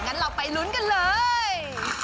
งั้นเราไปลุ้นกันเลย